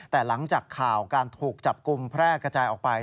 แต่หลังจากข่าวการถูกจับกลุ่มแพร่กระจายออกไป